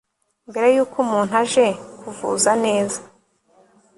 mbere yuko umuntu aje kuvuza neza